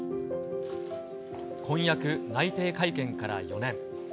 婚約内定会見から４年。